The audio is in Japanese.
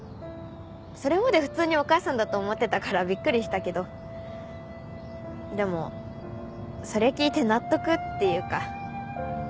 それまで普通にお母さんだと思ってたからびっくりしたけどでもそれ聞いて納得っていうか。